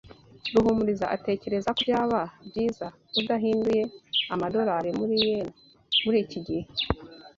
Ruhumuriza atekereza ko byaba byiza udahinduye amadorari muri yen muri iki gihe.